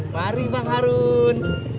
mari bang harun